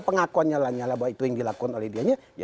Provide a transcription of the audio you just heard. pengakuannya lanyala bahwa itu yang dilakukan oleh dianya